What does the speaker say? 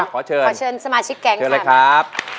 ขอเชิญขอเชิญสมาชิกแก๊งค่ะ